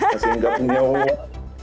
masih nggak punya uang